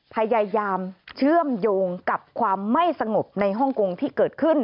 พยายามเชื่อมโยงกับความไม่สงบในฮ่องกงที่เกิดขึ้น